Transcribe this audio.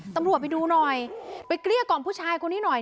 ตำรวจไปดูหน่อยไปเกลี้ยกล่อมผู้ชายคนนี้หน่อย